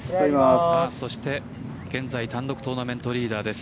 現在単独トーナメントリーダーです。